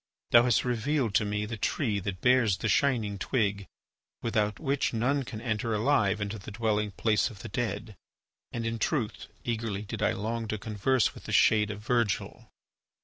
Thou hast revealed to me the tree that bears the shining twig without which none can enter alive into the dwelling place of the dead. And in truth, eagerly did I long to converse with the shade of Virgil."